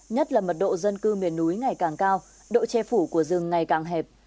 nhất là mật độ dân cư miền núi ngày càng cao độ che phủ của rừng ngày càng hẹp